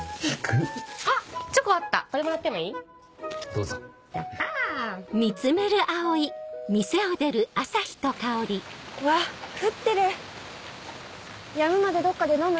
うわっ降ってるやむまでどっかで飲む？